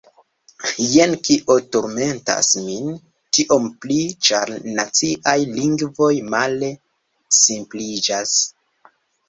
Jen kio turmentas min, tiom pli, ĉar naciaj lingvoj male – simpliĝas.